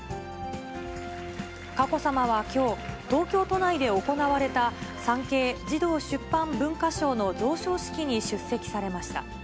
佳子さまはきょう、東京都内で行われた、産経児童出版文化賞の贈賞式に出席されました。